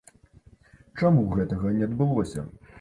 Чаму гэтага не адбылося?